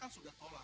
saya sudah menolak